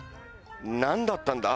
何だったんだ？